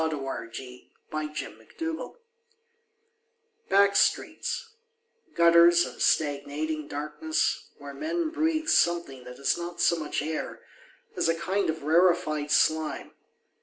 Back Streets 41 BACK STREETS BACK streets, gutters of stagnating darkness where men breath something that is not so much air as a kind of rarefied sHme.